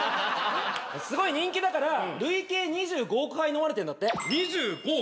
すごい人気だから累計２５億杯飲まれてんだって２５億！